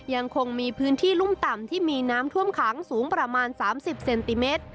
ยังคงมีพื้นที่รุ่มต่ำที่มีน้ำท่วมขังสูงประมาณ๓๐เซนติเมตร